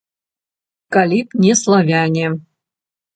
Калі б не славяне.